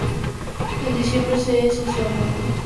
En diciembre se cesó a Mauro Galindo.